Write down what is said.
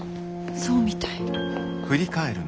そうみたい。